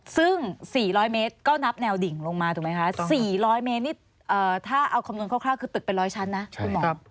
ซึ่ง๔๐๐เมตรก็นับแนวดิ่งลงมาถูกไหมคะ๔๐๐เมตรนี่ถ้าเอาคำนวนคร่าวคือตึกเป็นร้อยชั้นนะคุณหมอ